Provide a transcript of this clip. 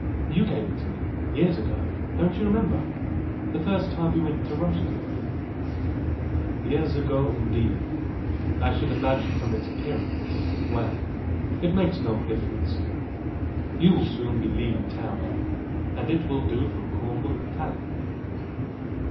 You gave it to me years ago don't you remember; the first time that we went to Russia together." "Years ago, indeed, I should imagine from its appearance. Well; it makes no difference; you will soon be leaving town and it will do for Cornwall and Tallie."